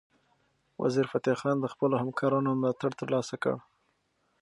وزیرفتح خان د خپلو همکارانو ملاتړ ترلاسه کړ.